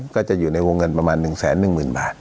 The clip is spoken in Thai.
ก็จะอยู่ในวงเงินประมาณ๑แสน๑หมื่นบาท